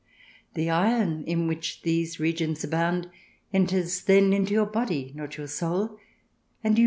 The iron in which these regions abound, enters then into your body, not your soul, and you CH.